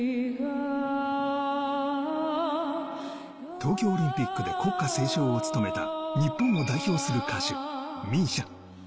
東京オリンピックで国歌斉唱を務めた日本を代表する歌手・ＭＩＳＩＡ。